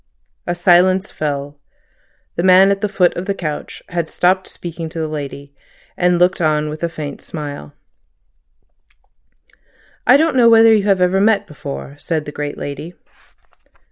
A silence fell. The man at the foot of the couch had stopped speaking to the lady, and looked on with a faint smile. "I don't know whether you ever met before," said the great lady.